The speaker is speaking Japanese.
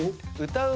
歌う。